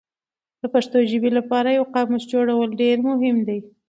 د پښتو ژبې لپاره یو قاموس جوړول ډېر مهم دي.